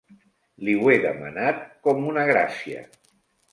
Li ho he demanat com una gràcia.